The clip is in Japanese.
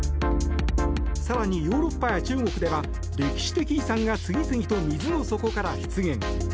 更にヨーロッパや中国では歴史的遺産が次々と水の底から出現。